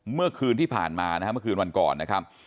เมื่อคืนที่ผ่านมานะฮะเมื่อคืนวันก่อนนะครับ